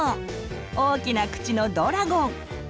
大きな口のドラゴン。